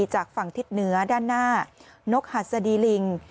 จากฝั่งทิศเหนือด้านหน้านกหัสดีลิง